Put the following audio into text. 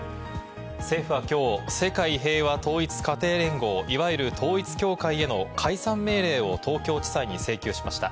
政府はきょう、世界平和統一家庭連合いわゆる統一教会への解散命令を東京地裁に請求しました。